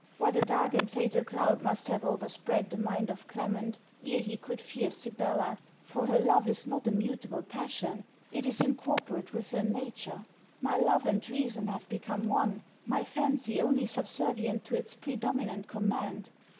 What a dark and fatal cloud must have overspread the mind of Clement, ere he could fear Sibella, for her love is not a mutable passion, it is incorporate with her nature. My love and reason have become one, my fancy only subservient to its predominant command.